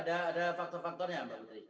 jadi ada faktor faktornya mbak putri